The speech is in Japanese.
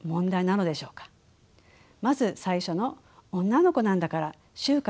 まず最初の「女の子なんだから就活